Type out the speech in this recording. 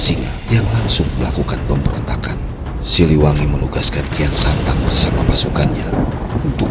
jika kamu tidak mencariksi arsang di konstitu